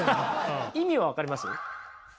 意味は分かります？